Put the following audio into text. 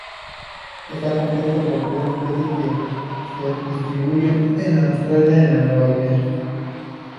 Está compuesto por tres especies que se distribuyen en Australia y Nueva Guinea.